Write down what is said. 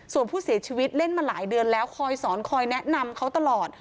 ส่วนผู้เสียชีวิตเล่นมาหลายเดือนแล้วคอยสอนคอยแนะนำเขาตลอด